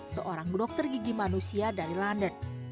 seorang dokter gigi manusia dari london